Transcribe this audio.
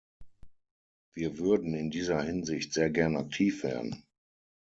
Wir würden in dieser Hinsicht sehr gern aktiv werden.